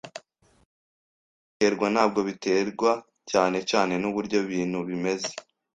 Ibyishimo biterwa, ntabwo biterwa cyane cyane nuburyo ibintu bimeze,